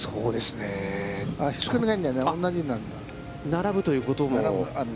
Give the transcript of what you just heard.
並ぶということも。